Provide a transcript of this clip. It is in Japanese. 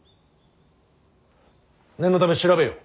念のため調べよ。